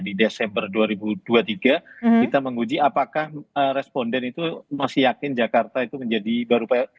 di desember dua ribu dua puluh tiga kita menguji apakah responden itu masih yakin jakarta itu menjadi baru